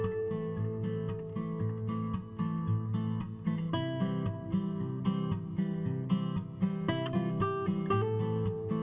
masalahnya nanti persecuki setiap orang